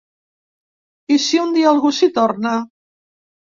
I si un dia algú s’hi torna?